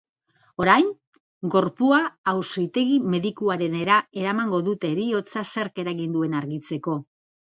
Orain, gorpua auzitegi-medikuarenera eramango dute heriotza zerk eragin duen argitzeko.